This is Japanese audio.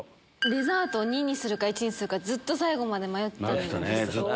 デザート２にするか１にするかずっと最後まで迷ってたんです。